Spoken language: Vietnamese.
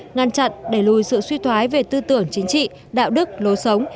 ngăn chặn đẩy lùi sự suy thoái về tư tưởng chính trị đạo đức lối sống